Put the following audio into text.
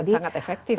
dan sangat efektif ya